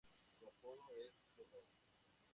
Su Apodo es "Dodo".